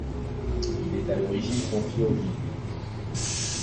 Il est à l'origine confié aux Jésuites.